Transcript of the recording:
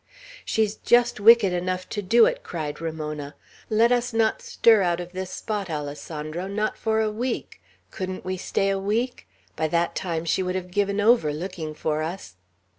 "She's just wicked enough to do it!" cried Ramona. "Let us not stir out of this spot, Alessandro, not for a week! Couldn't we stay a week? By that time she would have given over looking for us."